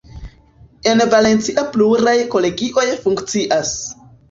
En Valencia pluraj kolegioj funkcias.